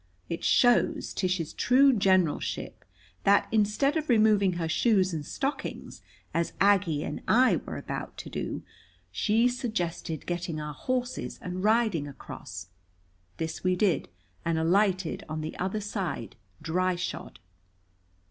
It shows Tish's true generalship that, instead of removing her shoes and stockings, as Aggie and I were about to do, she suggested getting our horses and riding across. This we did, and alighted on the other side dryshod.